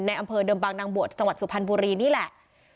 อำเภอเดิมบางนางบวชจังหวัดสุพรรณบุรีนี่แหละ